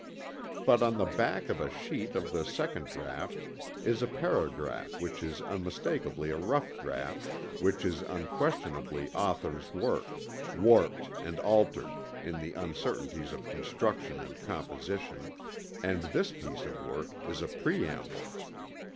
But on the back of a sheet of the second draught is a paragraph which is unmistakably a rough draught, which is unquestionably author's work, warped and altered in the uncertainties of construction and composition; and this piece of work is a preamble.